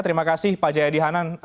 terima kasih pak jayadi hanan